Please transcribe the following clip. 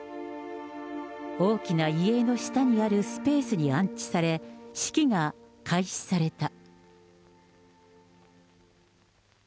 大きな遺影の下にあるスペースに安置され、式が開始された。